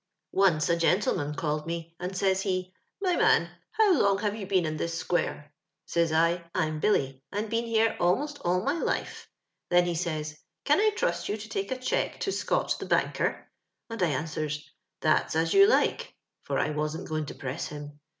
*' Once a gentleman called mo, and saj s he, *My man, how long have you been in iliis square?' Says I, 'I'm Billy, and been here a'most all my life.' Then ho says, * Can I trust you to toko a cheque to Scott, tlio banker? ' and I answers, * That's as you like,' for I wasn't going to press him.